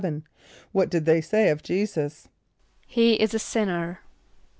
= What did they say of J[=e]´[s+]us? ="He is a sinner."